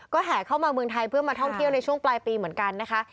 แห่เข้ามาเมืองไทยเพื่อมาท่องเที่ยวในช่วงปลายปีเหมือนกันนะคะ